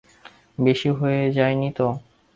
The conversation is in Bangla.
বেশি হয়ে যায় নিতো।